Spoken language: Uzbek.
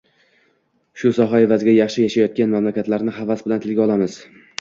shu soha evaziga yaxshi yashayotgan mamlakatlarni havas bilan tilga olamiz.